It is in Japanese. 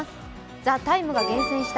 「ＴＨＥＴＩＭＥ，」が厳選した